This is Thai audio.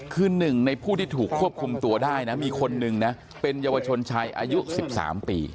คือหนึ่งในผู้ที่ถูกควบคุมตัวได้นะมีคนนึงนะเป็นเยาวชนชายอายุ๑๓ปี